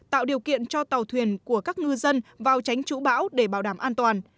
tạo điều kiện cho tàu thuyền của các ngư dân vào tránh chú bão để bảo đảm an toàn